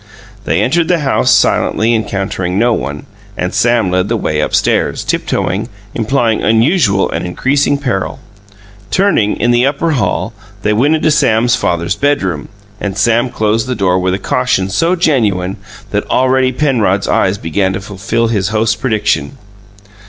They entered the house, silently, encountering no one, and Sam led the way upstairs, tiptoeing, implying unusual and increasing peril. Turning, in the upper hall, they went into Sam's father's bedroom, and Sam closed the door with a caution so genuine that already Penrod's eyes began to fulfil his host's prediction.